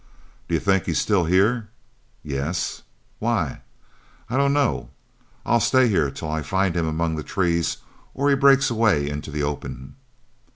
"Do you think he's still here?" "Yes." "Why?" "I dunno. I'll stay here till I find him among the trees or he breaks away into the open."